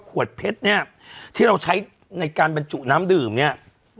ขวดเพชรเนี่ยที่เราใช้ในการบรรจุน้ำดื่มเนี่ย